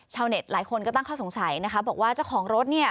หลายคนก็ตั้งข้อสงสัยนะคะบอกว่าเจ้าของรถเนี่ย